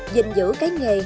dình dữ cái nghề